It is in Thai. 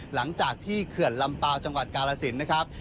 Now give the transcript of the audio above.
เขื่อนลำเปล่าจังหวัดกาลสินนะครับ